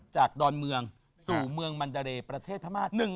จากดอนเมืองสู่เมืองมันดาเลประเทศธรรมาน